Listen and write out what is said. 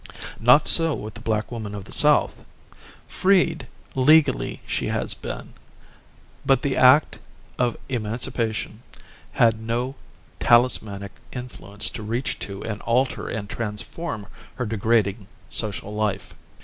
Not so with the black woman of the South. Freed, legally she has been; but the act of emancipation had no talismanic influence to reach to and alter and transform her degrading social life.